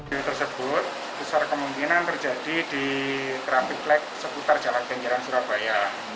video tersebut besar kemungkinan terjadi di kerapik lek seputar jalan kenjeran surabaya